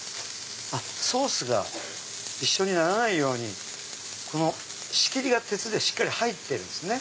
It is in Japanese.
ソースが一緒にならないように仕切りが鉄で入ってるんですね。